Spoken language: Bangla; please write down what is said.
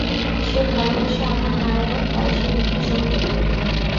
সে ভালোবাসা আমার নারায়ণ, তাই সে মিথ্যা সহিতে পারিল না।